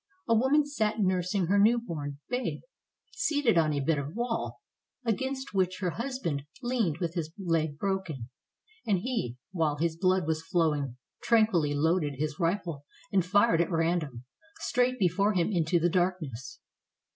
A woman sat nursing her new 318 IN THE REVOLT OF THE VENDEE born babe, seated on a bit of wall, against which her husband leaned with his leg broken; and he, while his blood was flowing, tranquilly loaded his rifle and fired at random, straight before him into the darkness.